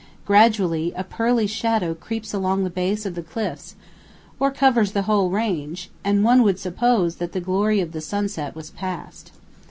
Gradually a pearly shadow creeps along the base of the cliffs or covers the whole range, and one would suppose that the glory of the sunset was past.